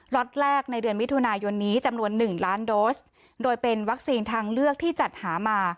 ็ตแรกในเดือนมิถุนายนนี้จำนวนหนึ่งล้านโดสโดยเป็นวัคซีนทางเลือกที่จัดหามา